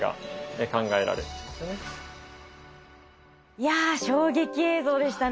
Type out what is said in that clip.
いや衝撃映像でしたね。